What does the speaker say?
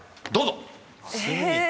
どうぞ。